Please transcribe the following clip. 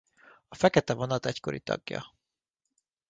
A Fekete Vonat egykori tagja.